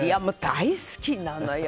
大好きなのよ！